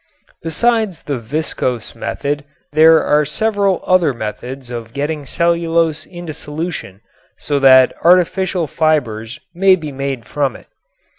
Besides the viscose method there are several other methods of getting cellulose into solution so that artificial fibers may be made from it.